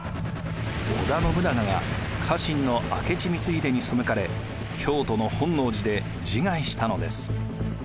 織田信長が家臣の明智光秀にそむかれ京都の本能寺で自害したのです。